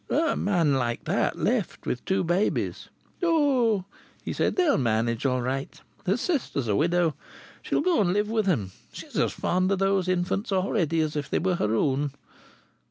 "A man like that left with two babies!" "Oh!" he said. "They'll manage that all right. His sister's a widow. She'll go and live with him. She's as fond of those infants already as if they were her own."